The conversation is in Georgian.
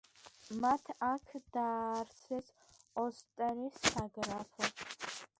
მათ აქ დააარსეს ოლსტერის საგრაფო.